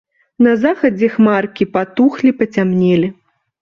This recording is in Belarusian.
На захадзе хмаркі патухлі, пацямнелі.